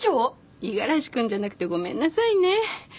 五十嵐君じゃなくてごめんなさいね。